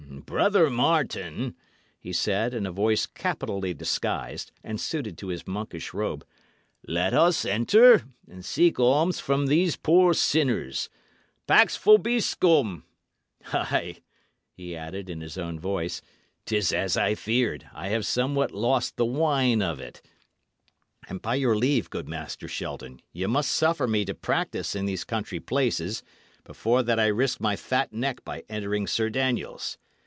"Brother Martin," he said, in a voice capitally disguised, and suited to his monkish robe, "let us enter and seek alms from these poor sinners. Pax vobiscum! Ay," he added, in his own voice, "'tis as I feared; I have somewhat lost the whine of it; and by your leave, good Master Shelton, ye must suffer me to practise in these country places, before that I risk my fat neck by entering Sir Daniel's.